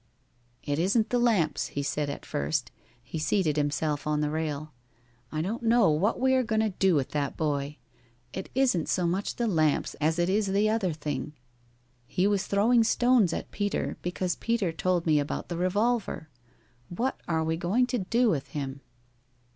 "It isn't the lamps," he said at first. He seated himself on the rail. "I don't know what we are going to do with that boy. It isn't so much the lamps as it is the other thing. He was throwing stones at Peter because Peter told me about the revolver. What are we going to do with him?"